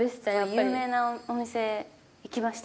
有名なお店行きました。